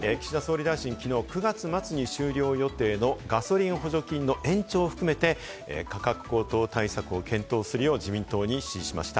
岸田総理大臣はきのう９月末に終了予定のガソリン補助金の延長も含めて、価格高騰対策を検討するよう自民党に指示しました。